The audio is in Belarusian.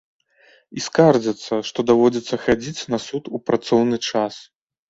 І скардзяцца, што даводзіцца хадзіць на суд у працоўны час!